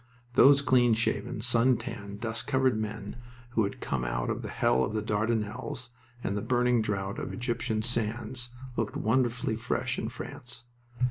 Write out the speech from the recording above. Those clean shaven, sun tanned, dust covered men, who had come out of the hell of the Dardanelles and the burning drought of Egyptian sands, looked wonderfully fresh in France.